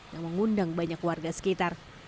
yang mengundang banyak warga sekitar